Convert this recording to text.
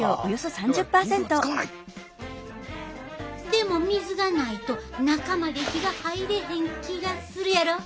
でも水がないと中まで火が入れへん気がするやろ？